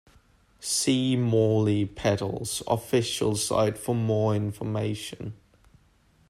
See Morley Pedals official site for more information.